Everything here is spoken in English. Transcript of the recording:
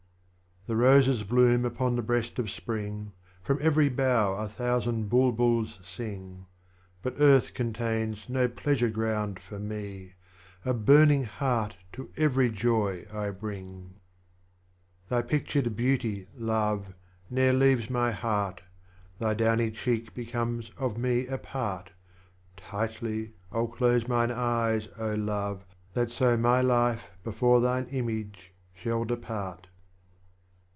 3. The Roses bloom upon the breast of Spring, From every bough a thousand Bulbuls sing. But Earth contains no Pleasure ground for me, * A Burning Heart to every joy I bring. B r C0:^U y THE LAMENT OF 4. Thy pictured Beauty, Love, ne'er leaves my Heart, Thy dowuy cheek becomes of me a part, Tightly I'll close mine eyes, Love, that so My Life, before thine Image, shall depart.